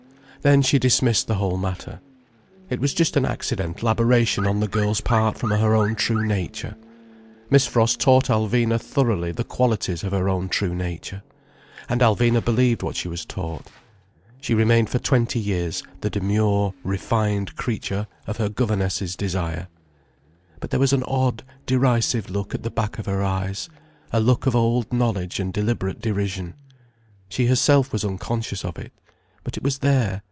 Then she dismissed the whole matter. It was just an accidental aberration on the girl's part from her own true nature. Miss Frost taught Alvina thoroughly the qualities of her own true nature, and Alvina believed what she was taught. She remained for twenty years the demure, refined creature of her governess' desire. But there was an odd, derisive look at the back of her eyes, a look of old knowledge and deliberate derision. She herself was unconscious of it. But it was there.